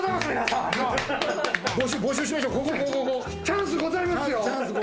チャンスございますよ。